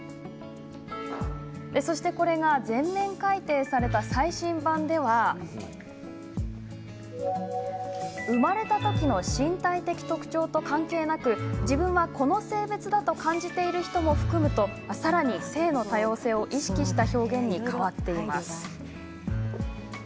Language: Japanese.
そして、これが全面改訂された最新版では「生まれたときの身体的特徴と関係なく、自分はこの性別だと感じている人もふくむ」と、さらに性の多様性を意識した表現に変わっています。